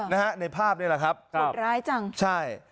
นะฮะในภาพนี่แหละครับโหดร้ายจังใช่